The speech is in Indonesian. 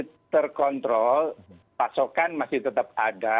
kalau terkontrol pasokan masih tetap ada